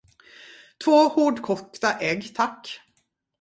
Två hårdkokta ägg, tack.